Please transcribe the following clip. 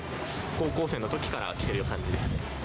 高校生のときから来てる感じですね。